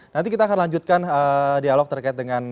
nanti kita akan lanjutkan dialog terkait dengan